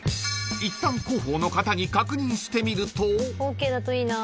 ［いったん広報の方に確認してみると］